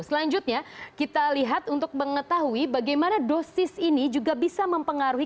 selanjutnya kita lihat untuk mengetahui bagaimana dosis ini juga bisa mempengaruhi